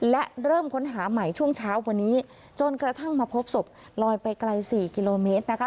และเริ่มค้นหาใหม่ช่วงเช้าวันนี้จนกระทั่งมาพบศพลอยไปไกลสี่กิโลเมตรนะคะ